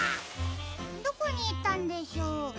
どこにいったんでしょう？